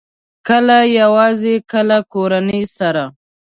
کله یوازې، کله کورنۍ سره